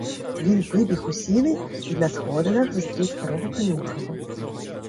Він вибіг у сіни й на сходинах зустрів старого конюшого.